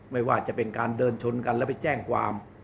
ไม่ว่าจะเป็นการเดินชนกันแล้วไปแจ้งความ